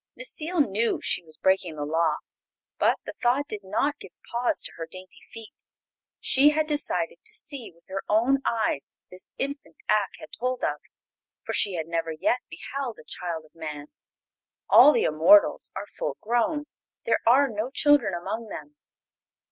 Necile knew she was breaking the Law, but the thought did not give pause to her dainty feet. She had decided to see with her own eyes this infant Ak had told of, for she had never yet beheld a child of man. All the immortals are full grown; there are no children among them.